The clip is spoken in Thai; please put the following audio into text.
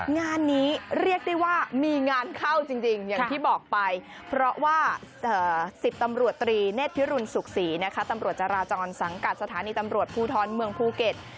งานนี้เรียกได้ว่ามีงานเข้าจริงอย่างที่บอกไปเพราะว่า๑๐ตำรวจตรีเนธพิรุณสุขศรีนะคะตำรวจจราจรสังกัดสถานีตำรวจภูทรเมืองภูเก็ต